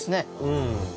うん。